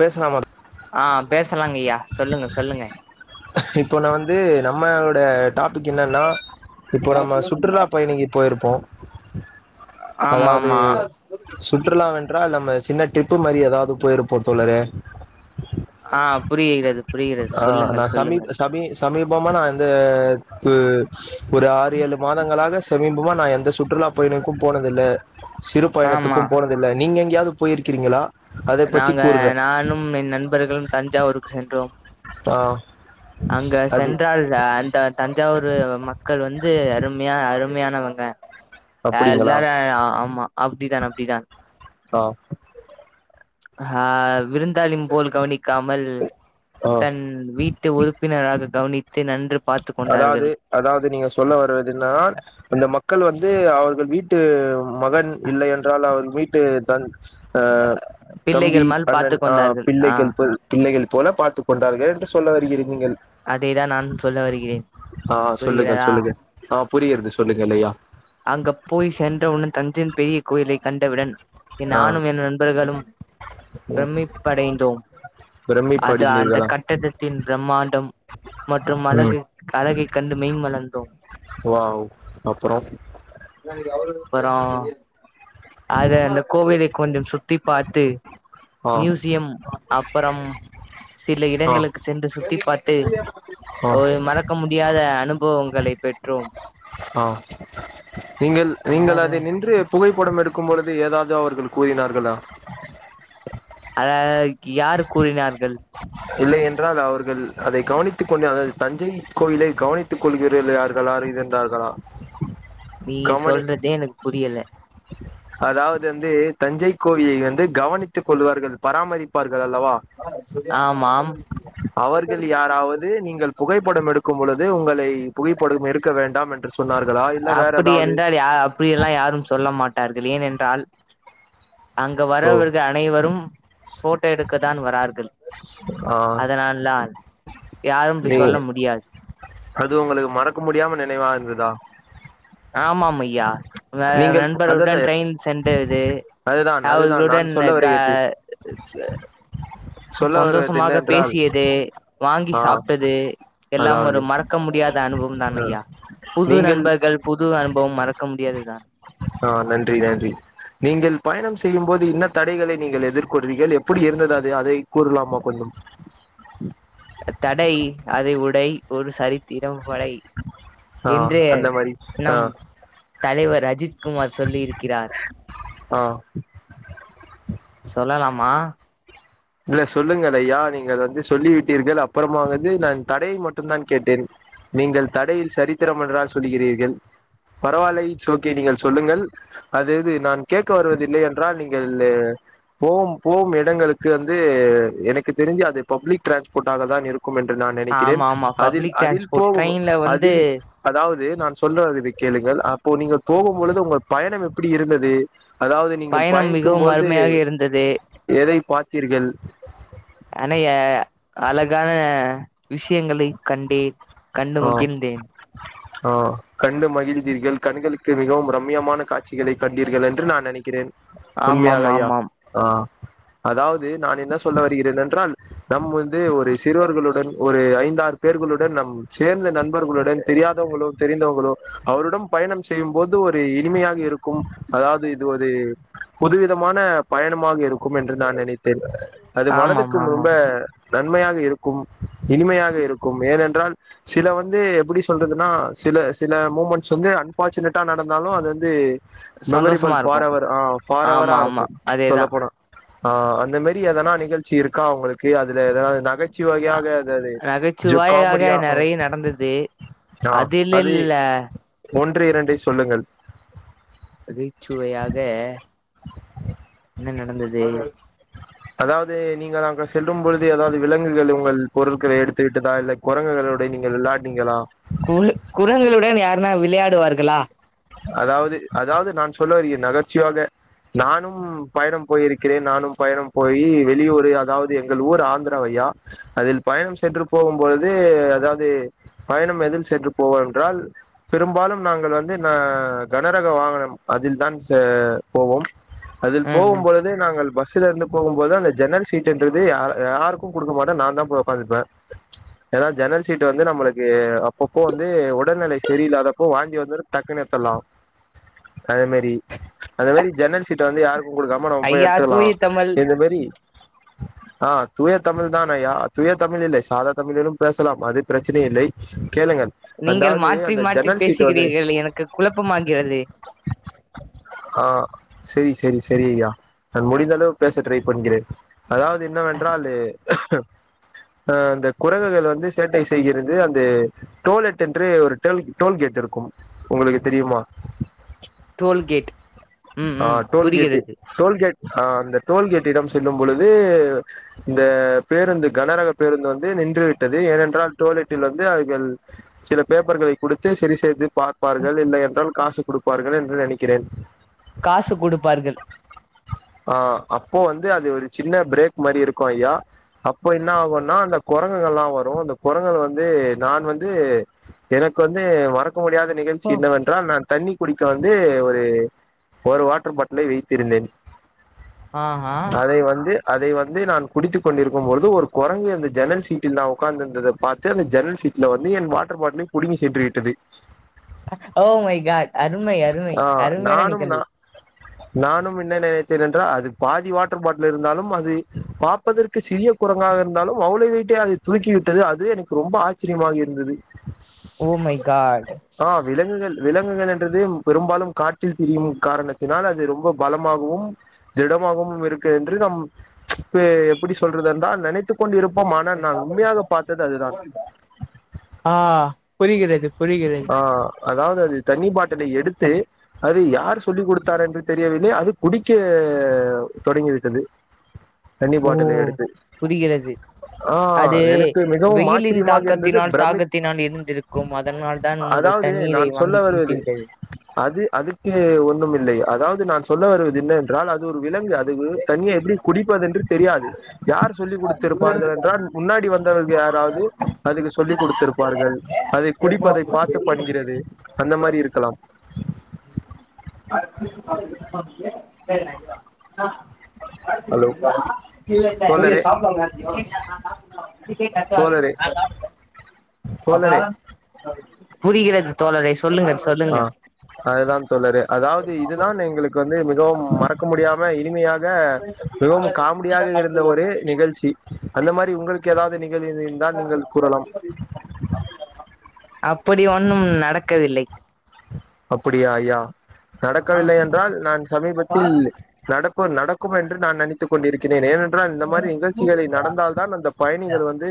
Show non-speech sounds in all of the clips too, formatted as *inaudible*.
பேஸ்லாம ஆ பேசலாங்க ஐயா சொல்லுங்க சொல்லுங்க இப்போ நா வந்து நம்மளோட டாபிக் என்னன்னா இப்போ நம்ம சுற்றுலா பயணிக்கு போய்ருப்போ ஆமா அதாவ்து ஆமா சுற்றுலா வென்றால் நம்ம சின்ன ட்ரிப்பு மாரி ஏதாவ்து போய்ருப் போ தோழரே அ புரிகிறது புரிகிறது ஆ, சொல்லுங்கள் நான் சமீ சொல்லுங்கள் சமீ சமீபமா நா இந்த *unintelligible* ஒரு ஆறு ஏழு மாதங்களாக சமீபமா நா எந்த சுற்றுலா பயணிக்கு போனதில்ல சிறு ஆமா பயணத்துக்கு போனதில்ல நீங்க எங்கேயாவ்து போயிருக்கிங்களா அத பத்தி அ கூறுங்க நானு என் நண்பர்களு தஞ்சாவூருக்கு சென்றோ *unintelligible* அங்க அது சென்றால் அந்த தஞ்சாவூரு மக்கள் வந்து அருமையா அருமையானவங்க அப்படிங்களா எல்லாரு ஆ ஆமா அப்டிதா அப்டிதா ஆ அ விருந்தாளிம் போல் கவனிக்காமல் ஆ தன் வீட்டு உறுப்பினராக கவனித்து நன்று பார்த்து கொண்டார்கள் அதாவ்து அதாவ்து நீங்க சொல்ல வருவதுன்னா அந்த மக்கள் வந்து அவர்கள் வீட் டு மகன் இல்லை என்றால் அவர் வீட்டு த அ தம்பி பிள்ளைகள் மேல் பார்த்து அண்ணன் அ கொண்டார்கள் ஆ பிள்ளைகள் போல் பிள்ளைகள் போல பார்த்து கொண்டார்கள் என்று சொல்ல வருகிறீர் நீங்கள் அதைதான் நான் சொல்ல வருகிறேன் புரிகிறாத அ புரிகிறது சொல்லுங்கள் அய்யா அங்க போய் சென்றவுடன் தஞ்சையின் பெரிய கோயிலைக் கண்டவுடன் என் ஆ நானும் என் நண்பர்களும் ம் பிரமிப்படைந்தோம் அது அந்த பிரமிப்படைந்தீர்களா கட்டடத்தின் பிரம்மாண்டம் மற்றும் ம் அழகு அழகை கண்டு மெய் மலந்தோ வாவ் அப்பறோ அப்பறோ அது அந்த கோவிலை கொஞ்சோ சுத்தி பார்த்து ஆ மியூசியம் அப்பறம் சில ஆ இடங்களுக்கு சென்று சுத்தி பார்த்து ஆ ஒரு மற க்க முடியாத அனுபவங்களை பெற்றோ ஒ நீங்கள் நீங்கள் வேற அதை நின்று புகைப்படம் எடுக்கும் பொழுது ஏதாவ்து அவர்கள் கூறினார்கள அதற்கு யாரு கூறினார்கள் இல்லை என்றால் அவர்கள் அதை கவனித்துக் கொண்டார்கள் அது தஞ்சை கோயிலை கவணித் து கொள்கிறேல் யார்களாரு இருந்தார்களா நீ கவனி சொல்றதே எனக் புரியல அதாவது வந்து தஞ்சை கோவிலில் வந்து கவனித்துக் கொள்வார்கள் பராமரிப்பார்கள் அல்லவா ஆமாம் அவர்கள் யாராவது நீங்கள் புகைப்படம் எடுக்கும் பொழுது உங்களை புகைப்படும் எடுக்க வேண்டாம் என்று சொன்னார்களா இல்ல வேற ஏதாவது அப்பிடியென்றால் யா அப்டியெல்லா யாரும் சொல்ல மாட் டார்கள் ஏனென்றால் அங்கு ஓ வரவர்க அனைவரும் ஃபோட்டோ எடுக்க தான் வரார்கள் ஆ அதனால்தான் யாரும் இப்டி நீ சொல்ல முடியா அது உங்களுக்கு மறக்க முடியாம நினைவா இருந்துதா ஆமாம் ஐயா அங்க நீங்கள் அதாவது நண்பர்களுடன் ட்ரெயின் சென்றது அதுதான் அதுதான் நான் அவர்குளுடன் சொல்ல கா வருகிறது சொல்ல வருவது சந்தோஷமாக என்னவென்றால் பேசியது வாங்கி ஆ சாப்ட்டது எல்லாம் ஒரு அதாவது மறக்க முடியாத அனுபவம்தான் ஆ, ஐயா புது நீங்கள் நண்பர்கள் புது அனுபவம் மறக்க முடியாதுதான் ஆ நன்றி நன்றி நீங்கள் பயணம் செய்யும் போது என்ன தடைகளை நீங்கள் எதிர்கொருவீகள் எப்புடி இருந்தது அது அதை கூறுலாமா கொஞ்சம் தடை அதை உடை ஒரு சரித்திரம் படை ஆ என்று அந்த மாரி ஆ நம் தலைவர் அஜித் குமார் சொல்லி இருக்கிறார் ஆ சொல்லலாமா இல்ல சொல்லுங்கள் ஐயா நீங்கள் வந்து சொல்லி விட்டீர்கள் அப்பறமா வந்து நான் தடையை மட்டும் தான் கேட்டேன் நீங்கள் தடையில் சரித்திரம் என்றால் சொல்லிகிறீர்கள் பரவாயில்லை இட்ஸ் ஓகே நீங்கள் சொல்லுங்கள் அது இது நான் கேக்க வருவதில்லை என்றால் நீங்கள்ளு போவும் போவும் எடங்களுக் கு வந்து எனக்கு தெரிஞ்சு அது பப்ளிக் ட்ரான்ஸ்போட்டாகதான் இருக் கும் என்று நான் நெனைக்கிறேன் ஆமா ஆமா அதில் பப்ளிக் அதில் டிரான்ஸ்போர்ட் போவு ட்ரெயின்ல வந்து அதில் அதாவது நான் சொல்ல வருவதை கேளுங்கள் அப்போ நீங்க போகும் பொழுது உங்க பயணம் எப்பிடி இருந்தது அதாவது நீங்கள் பயணம் பயணிக்கும் மிகவும் பொழ்து அருமையாக இருந்தது எதை பார்த்தீர்கள் அனைய அழகான விஷ்யங்களை கண்டேன் கண்டு ஆ மகிழ்ந்தேன் ஆ கண்டு மகிழ்ந்தீர்கள் கண்களுக்கு மிகவும் ரம்மியமான காட்சிகளை கண்டீர்கள் என்று நான் நெனைக்கிறேன் உண்மையாக ஆமாம் ஐயா ஆமாம் ஆ அதாவது நான் என்ன சொல்ல வருகிறேன் என்றால் நம் வந்து ஒரு சிறுவர்களுடன் ஒரு ஐந்தாறு பேர்களுடன் நம் சேர்ந்த நண்பர்களுடன் தெரியாதவ்ங்குளோ தெரிந்தவ்ங்குளோ அவருடம் பயணம் செய்யும் போது ஒரு இனிமையாக இருக்கும் அதாவ்து இது ஒரு புதுவிதமான பயணமாக இருக்கும் என்று நான் நெனைத்தேன் அது ஆமாம் மனதுக்கும் ரொம்ப ஆமாம் நன்மையாக இருக்கும் இனிமையாக இருக்கும் ஏனென்றால் சில வந்து எப்டி சொல்றதுனா சில சில மூமெண்ஸ் வந்து அன்ஃபார்ச்சுனேட்டா நடந்தாலு அது வந்து மெமரிபள் சந்தோஷமா இருக்கும் ஃபாரெவரு ஆ ஆமா ஃபாரெவரா ஆமா இருக்கு சொல்ல அதேதான் போனா ஆ அந்த மாரி எதனா நிகழ்ச்சி இருக்கா உங்களுக்கு அதுல எதனா நகச்சுவையாக எதாது ஜோ காமடியா நறைய நடந்தது அதுல் அது இல்ல ஒன்று இரண்டை சொல்லுங்கள் நகைச்சுவையாக என்ன நடந்தது அதாவ்து நீங்கள் அங்க செல்லும் பொழுது எதாவ்து விலங்குகள் உங்கள் பொருள்களை எடுத்து விட்டதா இல்ல கொரங்குகளோடை நீங்கள் விளாட்னீங்களா குழு குரங்குளுடன் யார்ன்னா விளயாடுவார்களா அதாவ்து அதாவ்து நான் சொல்ல வருகிறேன் அதர்ச்சியாக நானும் பயணம் போயிருக்கிறேன் நானும் பயணம் போயி வெளியூரு அதாவ்து எங்கள் ஊர் ஆந்திரா வைய்யா அதில் பயணம் சென்று போகும் பொழுது அதாவ்து பயணம் எதில் சென்று போவோமென்றால் பெரும்பாலும் நாங்கள் வந்து ந கனரக வாகனம் அதில் தான் செ போவோம் அதில் ம் ம் போகும்பொழுதே நாங்கள் பஸ்லருந்து போகும்போது அந்த ஜன்னல் சீ ட்டென்றது ய யாருக்கு குடுக்க மாட்டே நா தா போய் ஒக்காந்துப்பே ஏனா ஜன்னல் சீட்டு வந்து நம்மளுக்கு அப்பப்போ வந்து உடல்நிலை சரியில்லாதப்போ வாந்தி வந்துரு டக்குன்னு எத்தலா அதே மாரி அந்த மாரி ஜன்னல் சீட்ட வந்து யாருக்கு குடுக்காம நம்ம போய் ஐயா எத்துலா தூய தமிழ் இந்த மேரி ஆ தூய தமிழ் தானய்யா தூய தமிழ் இல்லை சாதா தமிழிலும் பேசலாம் அது பிரச்சனை இல்லை கேளுங்கள் நீங்கள் அதாவது மாற்றி அந்த மாற்றி ஜன்னல் சீட்டு வந்து பேசுகிறீர்கள் எனக்கு குழப்பமாகிறது ஆ செரி செரி செரிய்யா நான் முடிந்தளவு பேச ட்ரைப் பண்கிறேன் அதாவ்து என்னவென்றாலு ஆ அந்த குரங்குகள் வந்து சேட்டை செய்கிறது அந்து டோல்டெட் என்று ஒரு டெல் டோல்கேட் இருக்கும் உங்களுக்கு தெரியுமா டோல்கேட் ம் ஆ ம் டோல்கேட்டு புரிகிறது டோல்கேட் ஆ அந்த டோல்கேட்டிடம் செல்லும் பொழுது இந்த பேருந்து கனரக பேருந்து வந்து நின்று விட்டது ஏனென்றால் டோல்லெட்டில் வந்து அவைகள் சில பேப்பர்களை குடுத்து சரி செய்து பார்ப்பார்கள் இல்லை என்றால் காசு குடுப்பார்கள் என்று நெனைக்கிறேன் காசு குடுப்பார்கள் ஆ அப்போ வந்து அது ஒரு சின்ன பிரேக் மாரி இருக்கு ஐயா அப்போ என்ன ஆகுனா அந்த கொரங்குங்கள்லா வரு அந்த கொரங்குகள் வந்து நான் வந்து எனக்கு வந்து மறக்க முடியாத நிகழ்ச்சி ஓ என்னவென் ன்றால் நான் தண்ணி குடிக்க வந்து ஒரு ஒரு வாட்ரு பாட்லை வைத்திருந்தேன் ஆஹா அதை வந்து அதை வந்து நான் குடித்து கொண்டிருக்கும் பொழுது ஒரு கொரங்கு அந்த ஜன்னல் சீட்டில் நா ஒக்கார்ந்திருந்தத பாத்து அந்த ஜன்னல் சீ ட்ல வந்து என் வாட்டர் பாட்லை புடுங்கி சென்று விட்டது ஓ மை காட் அருமை அருமை ஆ அருமயான நானும் நா நிகழ்வு நானும் என்ன நினைத்தேன் என்றால் அது பாதி வாட்ரு பாட்லு இருந்தாலும் அது பா ப்பதற்கு சிறிய குரங்காக இருந்தாலும் அவ்ளோ வெயிட்ட அது தூக்கி விட்டது அதுவே எனக்கு ரொம்ப ஆச்சரியமாக இருந்தது ஓ மை காட்டு ஆ விலங்குகள் விலங்குகள் என்றது பெரும்பாலும் காற்றில் திரியும் காரணத்தினால் அது ரொம்ப பலமாகவும் திடமாகவும் இருக்கு என்று நம் இப்ப எப்டி சொல்றது என்றால் நினைத்து கொண்டிருப்போம் ஆனா நான் உண்மயாக பாத்தது அதுதான் ஆ புரிகிறது புரிகிறது ஆ அதாவ்து அது தண்ணி பாட்டிலை எடுத்து அது யார் சொல்லி குடுத்தார் என்று தெரியவில்லை அது குடிக்க தொடங்கி விட்டது தண்ணி ஓ பாட்டில எடுத்து புரிகிறது ஆ அது எனக்கு மிகவும் வெயிலின் ஆச்சரியமாக இருந்தது. தாக்கத்தினால் பிரமிப் தாகத்தினால் இருந்திருக்கும் அதனால் தான் உங்கள் அதாவது, தண்ணீரை நான் சொல்ல வாங்கி குடித்து வருவது அது அதுக்கு ஒண்ணும் இல்லை. அதாவது நான் சொல்ல வருவது என்ன ட்றால் அது ஒரு விலங்கு. அது தண்ணீயை எப்டி குடிப்பது என்று தெரியாது யார் சொல்லி் குடுத்திருப்பார்கள் என்றால், முன்னாடி வந்தவர்கள் யாராவது அதுக்கு சொல்லி் குடுத்திருப்பார்கள். அதை குடிப்பதை பார்த்து பண்கிறது அந்த மாரி இருக்கலாம் *inaudible* வா ஹலோ ஆ இல்ல இல்ல சூர்யே தோழரே சாப்ட வாங்க. இல்ல இல்ல நா சாப்ட்டு தா இதுக்கே கத்தாதீங்க தோழரே நா சாப்ட்டே பாப்பா தோழரே புரிகிறது தோழரே சொல்லுங்கள் ஆ சொல்லுங்க அதுதான் தோழரே அதாவது இதுதான் எங்களுக்கு வந்து மிகவும் மறக்க முடியாம இனிமையா க மிகவும் காமெடியாக இருந்த ஒரு நிகழ்ச்சி அந்த மாதிரி உங்களுக்கு ஏதாவது நிகழ் இது இருந்தால் நீங்கள் கூறலாம் அப்படி ஒன்னும் நடக்கவில்லை அப்பிடியா யா நடக்கவில்லை என்றால் நான் சமீபத்தில் நடத் ப்ப நடக்கும் என்று நான் நினைத்துக் கொண்டிருக்கிறேன் ஏனென் றால் இந்த மாதிரி நிகழ்ச்சிகளை நடந்தால் தான் அந்த பயணிகள் வந்து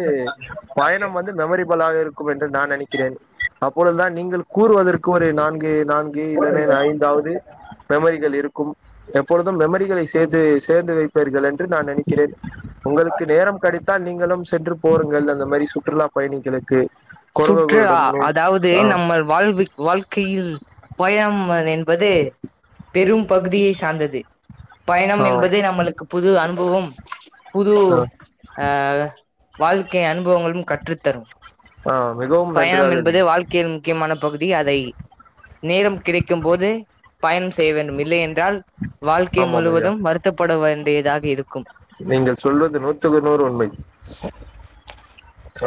பயணம் வந்து மெமரிபிளாக இருக்கும் என்று நான் நெனைக்கிறேன் அப்பொழுதுதான் நீங்கள் கூறுவதற்கு ஒரு நான் ன்கு நான்கு இல்லன்னா ஐந்தாவது மெமரிகள் லிருக்கும் எப்பொழுதும் மெமரிகளை சேர்த்து சேர்ந்து வைப்பீர்கள் என்று நான் நினைக்கிறேன் உங்களுக்கு நேரம் கெடைத்தால் நீங்களும் சென்று போருங்கள் அந்த மாதிரி சுற்றுலா பயணிகளுக்கு சுற்றுஆ குரங்குகளிடம் அதாவது ஆ நம்மள் வாழ்விக் வாழ்க்கையில் பயம் அதென்பது பெரும் பகுதியை சார்ந்தது பயணம் ஆ என்பது நம்மளுக்கு புது அன்பவம் புதூ ஆ ஆ வாழ்க்கை அனுபவங்களும் கற்றுத்தரும் ஆ மிகவும் பயணம் நன்றாக என்பது வாழ்க்கையின் முக்கியமான பகுதி அதை நேரம் கிடைக்கும்போதே பய்ணம் செய்ய வேண்டும் இல்லை என்றால் வாழ்க்கை ஆமாம் ஐயா முழுவதும் வருத்தப்பட வேண்டியதாக இருக்கும் நீங்கள் சொல்வது நூத்துக்கு நூறு உண்மை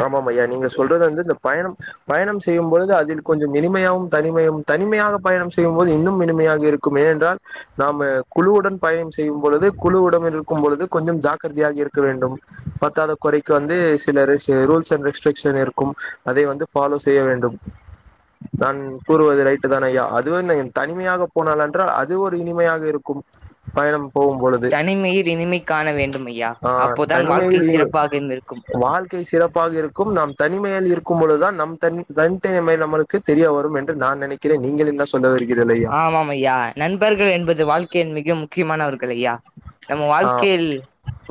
ஆமாம் ஐயா நீங்க சொல்றது வந்து இந்த பயணம் பயணம் செய்யும்போது அதில் கொஞ்சம் இனிமையாவும் தனிமையும் தனிமையாக பயணம் செய்யும்போது இன்னும் இனிமையாக இருக் கும் ஏ என்றால் நாமு குழுவுடன் பயணம் செய்யும் பொழுது குழு உடன்இருக்கும் பொழுது கொஞ்சம் ஜாக்கிரதையாக இருக்க வேண்டும் பத்தாத குறைக்கு வந்து சில ரெஸ் தே ரூல்ஸ் அண்ட் ரெஸ்ட்ரிக்ஷ்ன் இருக்கும் அதை வந்து ஃபாலோ செய்ய வேண்டும் நான் கூறுவது ரைட்டு தானய்யா அதுவும்த் தனிமையாக போனால் என்றால் அது ஒரு இனிமையாக இருக்கும் பயணம் போகும் பொழுது தனிமையில் இனிமை காண வேண்டுமய்யா ஆ அப்போதான் வாழ்க்கை தனிமையில் இ சிறப்பாகயும் இருக்கும் வாழ்க்கை சிறப்பாக இருக்கும் நம் தனிமையில் இருக்கும்பொழுதுதான் நம் தன் தன்த்தைமை நமளுக்கு தெரிய வரும் என்று நான் நினை கிறேன் நீங்கள் என்ன சொல்ல வருகீரேரய்யா ஆமாம் ஐயா நண்பர்கள் என்பது வாழ்க்கையில் மிக முக்கியமானவர்கள் ஐயா நம்ம ஆ வாழ்க்கையில்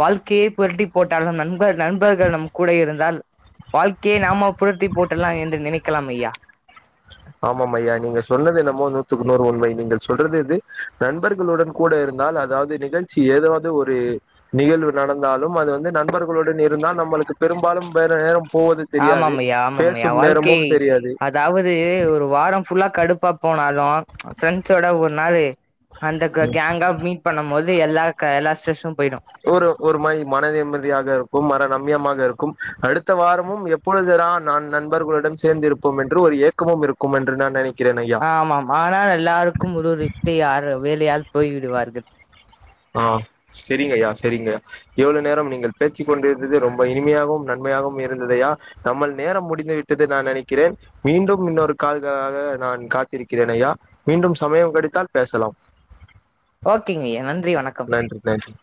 வாழ்க்கையே புரட்டி போட்டாலும் நண்பர் நண்பர்கள் நம் கூட இருந்தால் வாழ்க்கையே நாம புரட்டி போட்றலா என்று நினைக்கலாம் ஐயா ஆமாமையா நீங்க சொன்னது என்னமோ நூத்துக்கு நூறு உண்மை நீங்கள் சொல்றது இது நண்பர்களுடன் கூட இருந்தால் அதாவ்து நிகழ்ச்சி ஏதாவது ஒரு நிகழ்வு நடந்தாலும் அது வந்து நண்பர்களுடன் இருந்தால் நம்பளுக்கு பெரும்பாலும் வேற நேரம் போவது தெரியாது ஆமாம் ஐயா ஆமாம் ஐயா பேசும் வாழ்க்கை நேரமும் தெரியாது அதாவது ஒரு வாரம் ஃபுல்லா கடுப்பா போனாலு ஃப்ரெண்ட்ஸோட ஒரு நாளு அந்த க கேங்கா மீட் பண்ணும் போது எல்லா க எல்லா ஸ்ட்ரெஸ்ஸும் போய்டு ஒரு ஒரு மாரி மன நிம்மதியாக இருக்கும் மனரம்யமாக இருக்கும் அடுத்த வாரமும் எப் எப்பொழுதுதான் நான் நண்பர்களுடன் சேர்ந்திருப்போம் என்று ஒரு ஏக்கமும் இருக்கும் என்று நான் நெனைக்கிறேன் ஐயா ஆமாம் ஆனால் எல்லாருக்கும் ஒரு ஒரு இட்டியாரு வேலயால் போய்விடுவார்கள் ஆ செரிங்கய்யா செரிங்க இவ்ளோ நேரம் நீங்கள் பேச்சி கொண்டிருந்தது ரொம்ப இனிமையாகவும் நன்மையாகவும் இருந்ததையா நம்மள் நேரம் முடிந்து விட்டது நா நெனைக்கிறேன் மீண்டும் இன்னொரு கால்கராக நான் காத்திருக்கிறேன் ஐயா மீண்டும் சமயம் கிடைத்தால் பேசலாம் ஓகேங்கயா நன்றி வணக் நன்றி நன்றி